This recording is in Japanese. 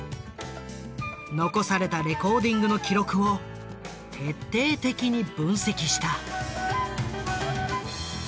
残されたレコーディングの記録を徹底的に分析した。